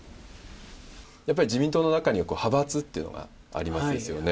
やっぱり自民党の中には派閥っていうのがありますですよね。